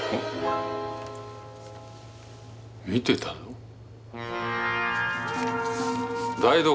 「見てたぞ」。